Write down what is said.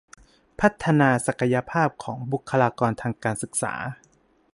พัฒนาศักยภาพของบุคลากรทางการศึกษา